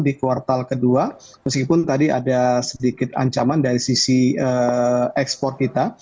di kuartal kedua meskipun tadi ada sedikit ancaman dari sisi ekspor kita